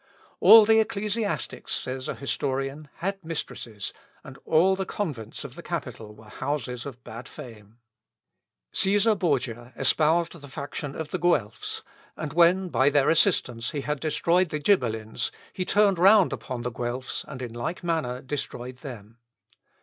"All the ecclesiastics," says a historian, "had mistresses, and all the convents of the capital were houses of bad fame." Cæsar Borgia espoused the faction of the Guelphs, and when, by their assistance, he had destroyed the Ghibelins, he turned round upon the Guelphs, and, in like manner, destroyed them.